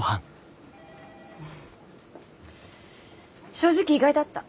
正直意外だった。